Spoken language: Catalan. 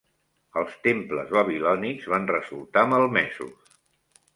Els temples babilònics van resultar malmesos.